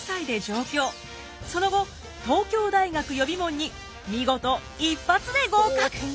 その後東京大学予備門に見事一発で合格！